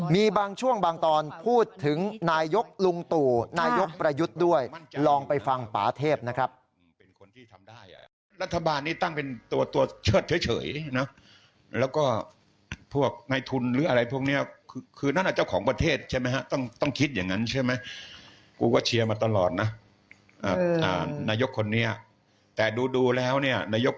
มีบางช่วงบางตอนพูดถึงนายกลุงตู่นายกประยุทธ์ด้วยลองไปฟังปาเทพนะครับ